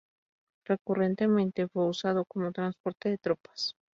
Recurrentemente fue usado como transporte de tropas.